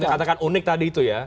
ya tadi anda katakan unik tadi itu ya